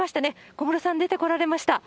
小室さん、出てこられました。